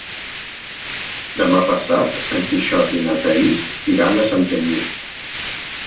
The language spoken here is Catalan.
Demà passat en Quixot i na Thaís iran a Santanyí.